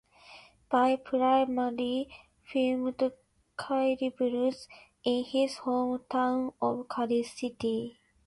Bi primarily filmed "Kaili Blues" in his hometown of Kaili City.